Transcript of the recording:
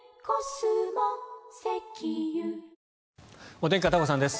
お天気、片岡さんです。